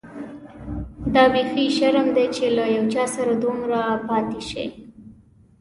دا بيخي شرم دی چي له یو چا سره دومره پاتې شې.